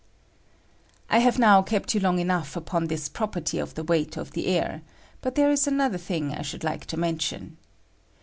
I have now kept you long enough upon this property of the weight of the air, but there is another thing I should like to mention.